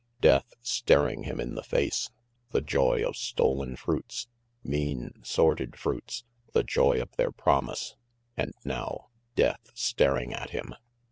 Death, staring him in the face. The joy of stolen fruits, mean, sordid fruits, the joy of their promise and now Death staring at him!